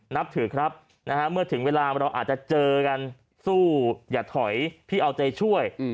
นับถือครับเมื่อถึงเวลาเราอาจจะเจอกันสู้อย่าถอยพี่เอาใจช่วย